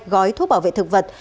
gói thuốc bảo vệ thực vật